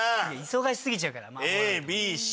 忙しすぎちゃうから魔法。